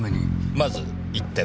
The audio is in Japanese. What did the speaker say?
まず１点目。